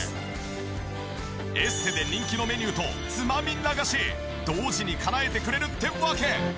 エステで人気のメニューとつまみ流し同時にかなえてくれるってわけ！